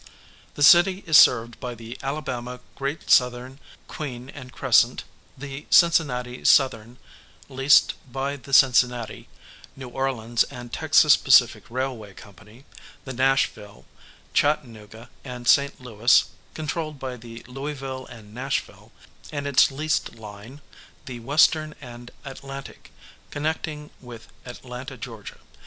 The city is served by the Alabama Great Southern (Queen and Crescent), the Cincinnati Southern (leased by the Cincinnati, New Orleans & Texas Pacific railway company), the Nashville, Chattanooga & St Louis (controlled by the Louisville & Nashville), and its leased line, the Western & Atlantic (connecting with Atlanta, Ga.)